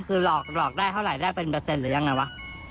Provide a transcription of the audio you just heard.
คือหลอกได้เท่าไหร่ได้เป็นเปอร์เซ็นหรือยังไงวะ